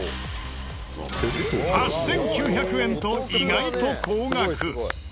８９００円と意外と高額。